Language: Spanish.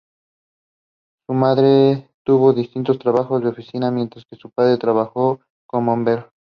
Su madre tuvo diversos trabajos de oficina mientras que su padre trabajó como bombero.